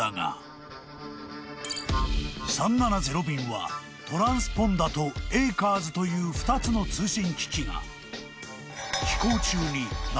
［３７０便はトランスポンダとエーカーズという２つの通信機器が］